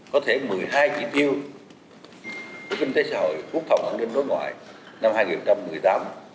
có thể một mươi hai chỉ tiêu về kinh tế xã hội quốc phòng an ninh đối ngoại năm hai nghìn một mươi tám